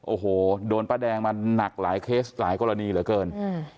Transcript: โอ้โหโดนป้าแดงมาหนักหลายเคสหลายกรณีเหลือเกินอืม